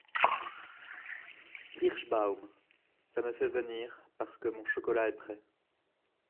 Kirschbaum. — Ca me fait venir, parce que mon chocolat est prêt.